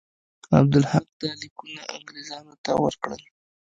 عبدالحق دا لیکونه انګرېزانو ته ورکړل.